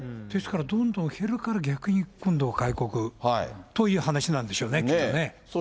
ですからどんどん減るから逆に今度、外国という話なんでしょうね、きっとね。